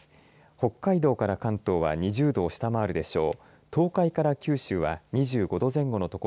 北海道から関東は２０度を下回るでしょう。